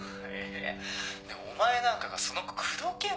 えでもお前なんかがその子口説けんのかよ。